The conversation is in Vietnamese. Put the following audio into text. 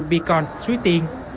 bê con xuế tiên